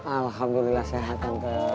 alhamdulillah sehat tante